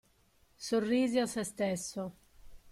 Sorrise a sé stesso.